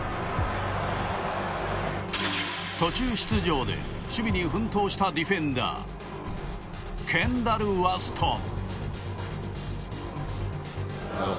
途中出場で守備に奮闘したディフェンダーケンダル・ワストン。